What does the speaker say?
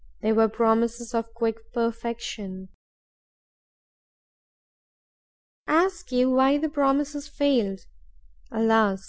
They were promises of quick perfection. Ask you why the promises failed? Alas!